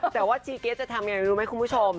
แต่ว่าชิคระท์จะทำยังงไรคุณผู้ชม